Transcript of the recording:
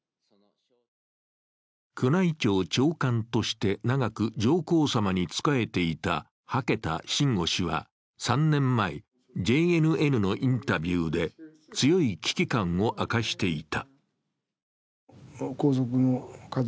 宮内庁長官として長く上皇さまに仕えていた羽毛田信吾氏は３年前、ＪＮＮのインタビューで強い危機感を明かしていた。